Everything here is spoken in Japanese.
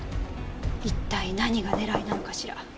一体何が狙いなのかしら。